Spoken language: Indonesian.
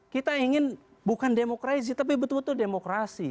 kita ingin bukan demokrasi tapi betul betul demokrasi